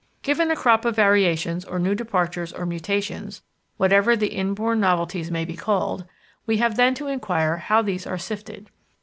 Given a crop of variations or new departures or mutations, whatever the inborn novelties may be called, we have then to inquire how these are sifted.